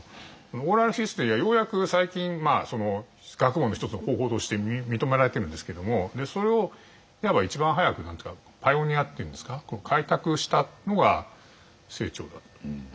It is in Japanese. オーラルヒストリーはようやく最近学問の一つの方法として認められてるんですけどもそれをいわば一番早くパイオニアっていうんですか開拓したのが清張だと。